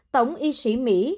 tổng y sĩ mỹ